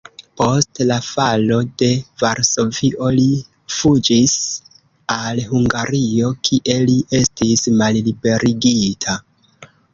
Post la falo de Varsovio li fuĝis al Hungario, kie li estis malliberigita.